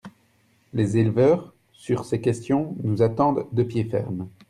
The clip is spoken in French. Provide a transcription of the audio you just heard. Les éleveurs, sur ces questions, nous attendent de pied ferme.